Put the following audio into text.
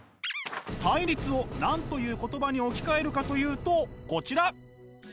「対立」を何という言葉に置き換えるかというとこちら！